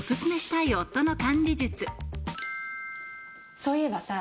そういえばさ。